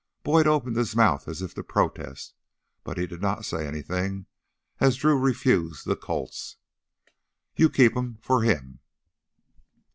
Boyd opened his mouth as if to protest, but he did not say anything as Drew refused the Colts. "You keep 'em for him."